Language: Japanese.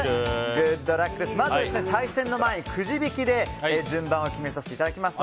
まず対戦の前にくじ引きで順番を決めさせていただきます。